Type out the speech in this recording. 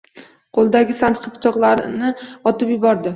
Qo‘lidagi sanchqi pichoqlarni otib yubordi